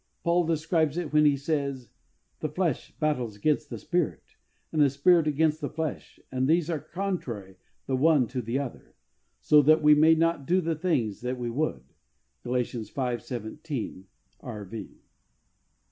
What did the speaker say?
Paul describes it when he says :" The flesh battles against the Spirit and the Spirit against the flesh, and these are contrary the one to the other, so that we may not do the things that we would" (Gal.\. 17, R.v.).